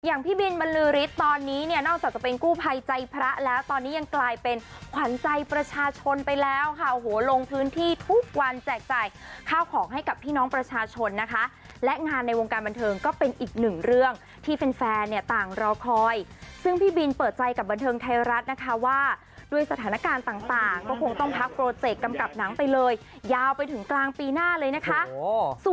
อย่างพี่บินบรรลือฤทธิ์ตอนนี้เนี่ยนอกจากจะเป็นกู้ภัยใจพระแล้วตอนนี้ยังกลายเป็นขวัญใจประชาชนไปแล้วค่ะโหลงพื้นที่ทุกวันแจกจ่ายข้าวของให้กับพี่น้องประชาชนนะคะและงานในวงการบันเทิงก็เป็นอีกหนึ่งเรื่องที่แฟนเนี่ยต่างรอคอยซึ่งพี่บินเปิดใจกับบันเทิงไทยรัฐนะคะว่าด้วยสถานการณ์ต